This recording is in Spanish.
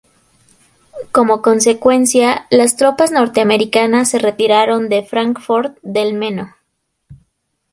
Como consecuencia, las tropas norteamericanas se retiraron de Fráncfort del Meno.